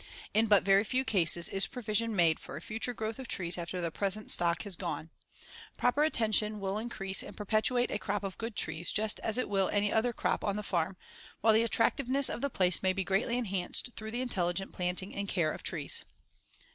In but very few cases is provision made for a future growth of trees after the present stock has gone. Proper attention will increase and perpetuate a crop of good trees just as it will any other crop on the farm, while the attractiveness of the place may be greatly enhanced through the intelligent planting and care of trees.